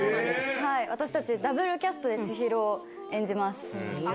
私たちダブルキャストで千尋を演じます。